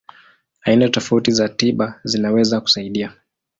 Aina tofauti za tiba zinaweza kusaidia.